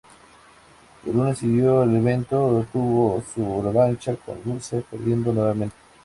El lunes siguiente al evento, tuvo su revancha con Rusev perdiendo nuevamente.